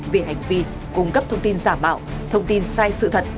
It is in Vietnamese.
về hành vi cung cấp thông tin giả mạo thông tin sai sự thật